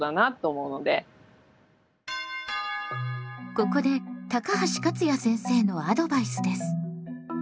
ここで高橋勝也先生のアドバイスです。